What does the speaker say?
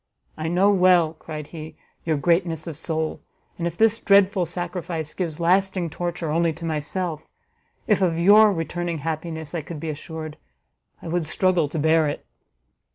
"I know well," cried he, "your greatness of soul; and if this dreadful sacrifice gives lasting torture only to myself, if of your returning happiness I could be assured, I would struggle to bear it."